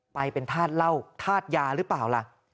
ไปเป็นธาตุเหล้าธาตุยาหรือเปล่าล่ะ